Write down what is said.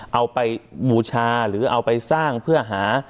เอาไปบูชาหรือเอาไปสร้างเพื่อหา